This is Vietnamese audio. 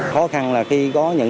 khó khăn là khi có những